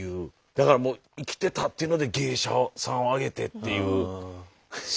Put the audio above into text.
だから生きてたっていうので芸者さんをあげてっていうすごい世界。